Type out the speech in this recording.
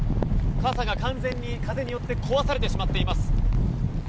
傘が完全に風によって壊されてしまっています。